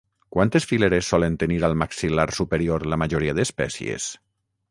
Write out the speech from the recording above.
Quantes fileres solen tenir al maxil·lar superior la majoria d'espècies?